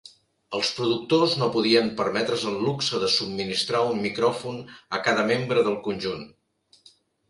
Els productors no podien permetre's el luxe de subministrar un micròfon a cada membre del conjunt.